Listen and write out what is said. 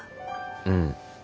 うん。